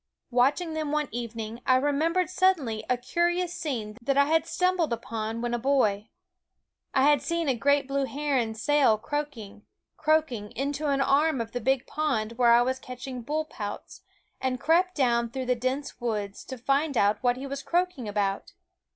Watching them one evening, I remembered suddenly a curious scene that I had stumbled 198 Quoskh Keen Eyed 9 SCHOOL OF upon when a boy. I had seen a great blue heron sail croaking, croaking, into an arm of the big pond where I was catching bullpouts, and crept down through dense woods to find out what he was croaking about.